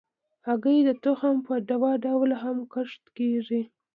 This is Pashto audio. هګۍ د تخم په ډول هم کښت کېږي.